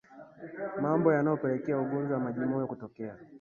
Mambo yanayopelekea ugonjwa wa majimoyo kutokea